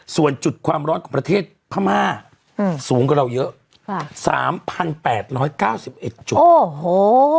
ส่วนจุดความร้อนของประเทศพม่าสูงกับเราเยอะ๓๘๙๑จุดโอ้โห